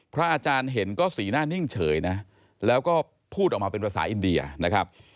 พระอาจารย์เห็นก็สีหน้านิ่งเฉยนะแล้วก็พูดออกมาเป็นภาษาอินเดียนะครับ